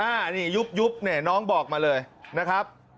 อันนี้ยุบเนี่ยน้องบอกมาเลยนะครับ